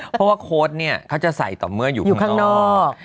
เพราะว่าโค้ดเนี่ยเขาจะใส่ต่อเมื่ออยู่ข้างนอก